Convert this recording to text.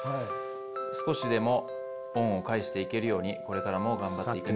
少しでも恩を返して行けるようにこれからも頑張って行くね。